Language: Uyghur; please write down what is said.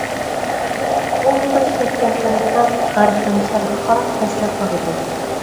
بۇ تۇتاش كەتكەن كەنتلەر غەربتىن شەرققە قاراپ پەسلەپ بارىدۇ.